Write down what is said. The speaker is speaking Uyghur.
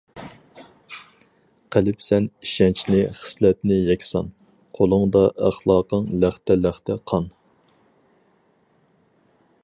قىلىپسەن ئىشەنچنى خىسلەتنى يەكسان، قولۇڭدا ئەخلاقىڭ لەختە-لەختە قان.